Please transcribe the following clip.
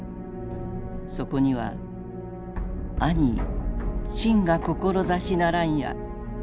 そこには「豈朕が志ならんや」。